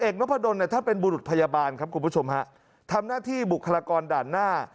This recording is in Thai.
นพดลเนี่ยท่านเป็นบุรุษพยาบาลครับคุณผู้ชมฮะทำหน้าที่บุคลากรด่านหน้า